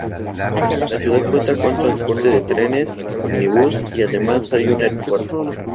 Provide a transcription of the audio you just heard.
La ciudad cuenta con transporte de trenes, ómnibus y además hay un aeropuerto.